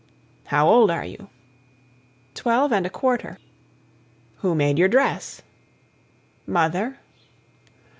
"How old are you?" "Twelve and a quarter." "Who made your dress?" "Mother."